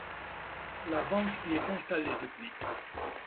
La banque y est installée depuis.